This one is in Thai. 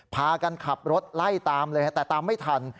พากันขับรถไล่ตามเลยแต่ตามไม่ทัน